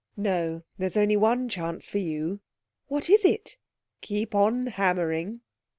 'No, there's only one chance for you.' 'What is it?' 'Keep on hammering.'